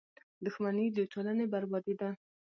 • دښمني د ټولنې بربادي ده.